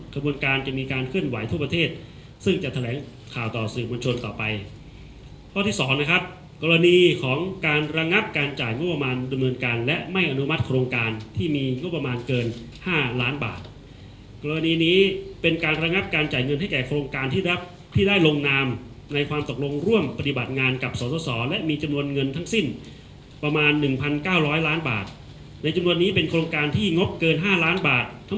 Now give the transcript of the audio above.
การส่งของการส่งของการส่งของการส่งของการส่งของการส่งของการส่งของการส่งของการส่งของการส่งของการส่งของการส่งของการส่งของการส่งของการส่งของการส่งของการส่งของการส่งของการส่งของการส่งของการส่งของการส่งของการส่งของการส่งของการส่งของการส่งของการส่งของการส่งของการส่งของการส่งของการส่งของการส่งข